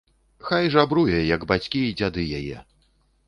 Хай жабруе, як бацькі і дзяды яе.